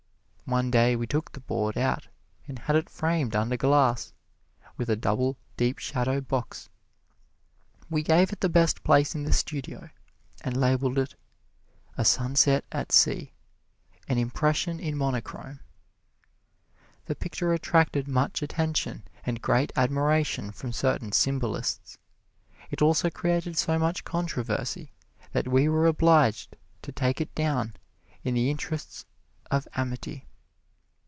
One day we took the board out and had it framed under glass, with a double, deep shadow box. We gave it the best place in the studio and labeled it, "A Sunset at Sea an Impression in Monochrome." The picture attracted much attention and great admiration from certain symbolists. It also created so much controversy that we were obliged to take it down in the interests of amity.